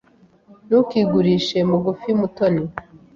Ntukigurishe mugufi, Mutoni.